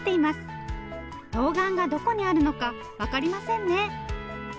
とうがんがどこにあるのか分かりませんね。